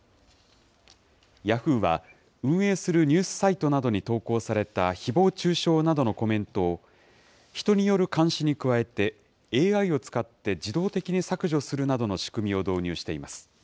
ヤフーは、運営するニュースサイトなどに投稿されたひぼう中傷などのコメントを、人による監視に加えて、ＡＩを使って自動的に削除するなどの仕組みを導入しています。